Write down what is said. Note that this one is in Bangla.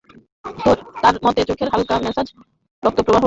তাঁর মতে, চোখের হালকা ম্যাসাজ রক্তপ্রবাহ বাড়িয়ে চোখের ধকল দূর করতে পারে।